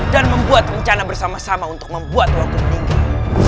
dan membuat rencana bersama sama untuk membuat wakil meninggal